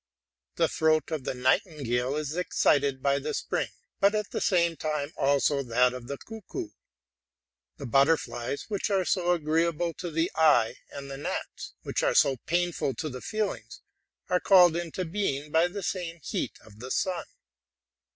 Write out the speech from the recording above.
The throat of the nightingale is excited by the spring, but at the same time also that of the cuckoo. 'The butterflies, which are so agreeable to the eye, and the gnats, which are so painful to the feelings, are called into being by the same heat of the sun.